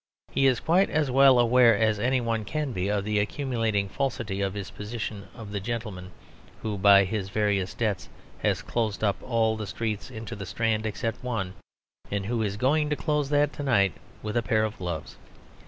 He is quite as well aware as any one can be of the accumulating falsity of the position of a gentleman who by his various debts has closed up all the streets into the Strand except one, and who is going to close that to night with a pair of gloves.